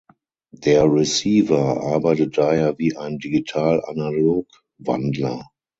Der Receiver arbeitet daher wie ein Digital-Analog-Wandler.